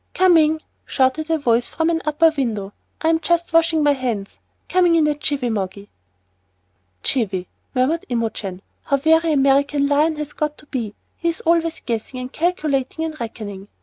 "Coming," shouted a voice from an upper window; "I'm just washing my hands. Coming in a jiffy, Moggy." "Jiffy!" murmured Imogen. "How very American Lion has got to be. He's always 'guessing' and 'calculating' and 'reckoning.'